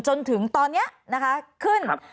จนถึงตอนนี้นะคะขึ้น